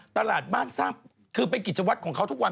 ตลาดบ้านสร้างคือเป็นกิจวัตรของเขาทุกวัน